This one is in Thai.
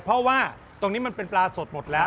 เพราะว่าตรงนี้มันเป็นปลาสดหมดแล้ว